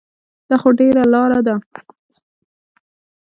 دا خو ډېره لاره ده.